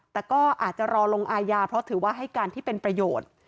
แต่ก็อาจจะรอลงอายาเพราะถือว่าให้การที่เป็นประโยชน์